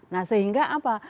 nah sehingga apa